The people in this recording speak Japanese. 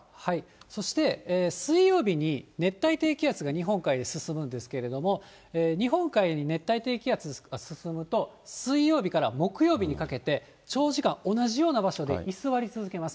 そして水曜日に熱帯低気圧が日本海へ進むんですけれども、日本海に熱帯低気圧が進むと、水曜日から木曜日にかけて、長時間、同じような場所で居座り続けます。